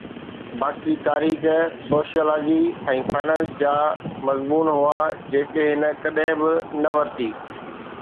باقي تاريخ، sociology ۽ finance جا مضمون هئا، جيڪي هن ڪڏهن به نه ورتي